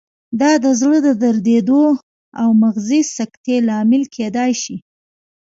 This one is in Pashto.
دا د زړه د دریدو او مغزي سکتې لامل کېدای شي.